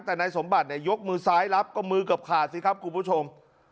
แต่นายสมบัติเนี่ยยกมือซ้ายรับก็มือเกือบขาดสิครับคุณผู้ชม